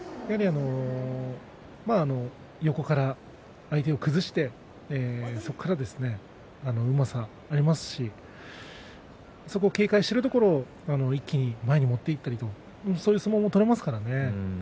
まあ横から相手を崩してそこから、うまさがありますし警戒しているところを一気に前に持っていったりそういう相撲も取れますからね。